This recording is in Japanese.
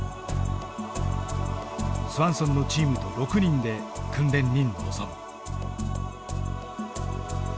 スワンソンのチームと６人で訓練に臨む。